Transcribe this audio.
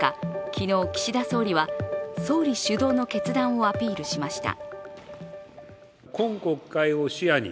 昨日、岸田総理は総理主導の決断をアピールしました。